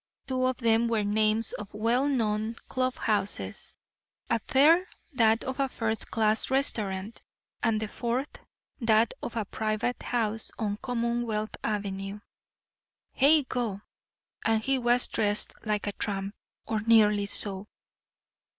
Two of them were names of well known club houses, a third that of a first class restaurant, and the fourth that of a private house on Commonwealth Avenue. Heigho! and he was dressed like a tramp, or nearly so!